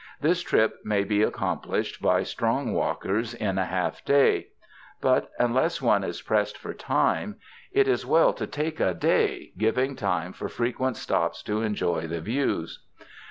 This trip may be accomplished by strong walkers in a half day, but unless one is pressed for time, it is well 182 WINTER ON THE ISLE OF SUMMER to take a day, giving time for frequent stops to en joy the views.